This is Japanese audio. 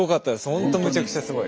ほんとむちゃくちゃすごい。